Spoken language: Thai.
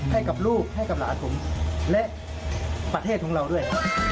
ให้กับลูกให้กับหลานผมและประเทศของเราด้วย